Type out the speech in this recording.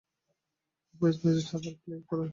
ওই ভয়েস মেসেজটা আবার প্লে করো।